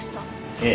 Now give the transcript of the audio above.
ええ。